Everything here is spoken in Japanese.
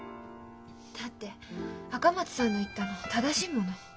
だって赤松さんの言ったの正しいもの。